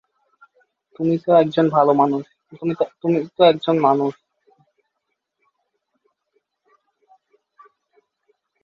তুমি তো একজন মানুষ।